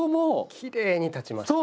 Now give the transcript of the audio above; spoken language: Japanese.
きれいに立ちましたね。